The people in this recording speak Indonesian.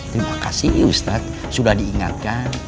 terima kasih ustadz sudah diingatkan